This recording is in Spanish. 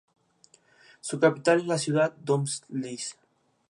Su capital es la ciudad de Domažlice.